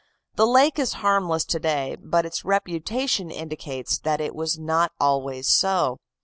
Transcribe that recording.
The lake is harmless to day, but its reputation indicates that it was not always so.